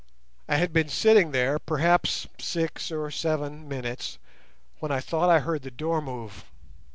I had been sitting there perhaps six or seven minutes when I thought I heard the door move.